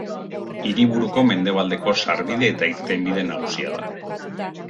Hiriburuko mendebaldeko sarbide eta irtenbide nagusia da.